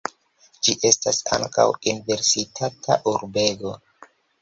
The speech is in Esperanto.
Ĝi estas ankaŭ universitata urbego.